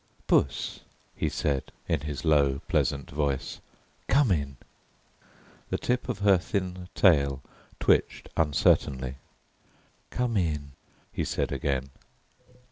"Puss," he said, in his low, pleasant voice, "come in." The tip of her thin tail twitched uncertainly. "Come in," he said again.